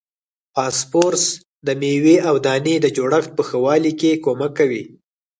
فاسفورس د میوې او دانې د جوړښت په ښه والي کې کومک کوي.